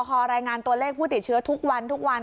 สถานการณ์ตัวเลขผู้ติดเชื้อทุกวัน